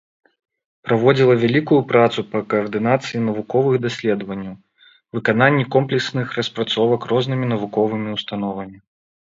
Праводзіла вялікую працу па каардынацыі навуковых даследаванняў, выкананні комплексных распрацовак рознымі навуковымі ўстановамі.